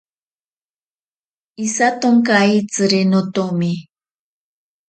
Isatonkayetziri notomi.